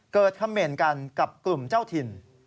เกิดเขมรกันกับกลุ่มเจ้าถิ่น